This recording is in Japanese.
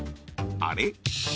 あれ？